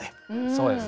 そうですね。